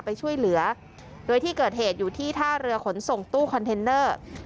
ไปช่วยเหลือโดยที่เกิดเหตุอยู่ที่ท่าเรือขนส่งตู้คอนเทนเนอร์